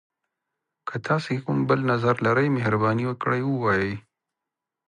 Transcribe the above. که تاسي کوم بل نظر لری، مهرباني وکړئ ووایئ.